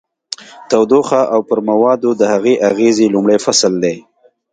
تودوخه او پر موادو د هغې اغیزې لومړی فصل دی.